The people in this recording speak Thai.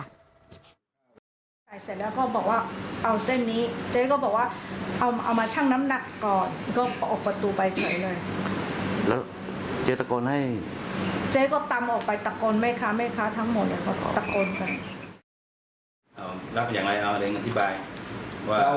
ไปซื้อแล้วก็ขอลองต้องลองใส่คอดู